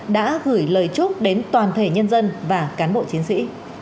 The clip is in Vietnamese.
đã gửi lời chúc đến toàn thể nhân dân và cán bộ chiến sĩ